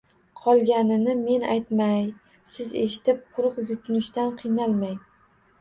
Qolganini men aytmay, siz eshitib, quruq yutinishdan qiynalmang